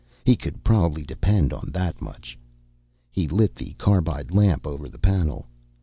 He could probably depend on that much. He lit the carbide lamp over the panel.